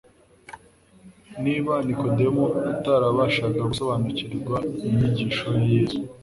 Niba Nikodemo atarabashaga gusobanukirwa inyigisho ya Yesu,